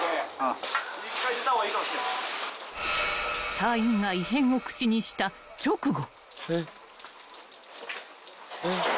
［隊員が異変を口にした直後］